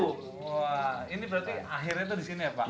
wah ini berarti akhirnya itu di sini ya pak